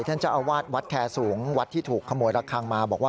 เท่านเจ้าอาวาสวัดแขสูงวัดที่ถูกขโมยระครังมา